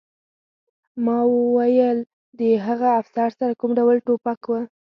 ما وویل د هغه افسر سره کوم ډول ټوپک و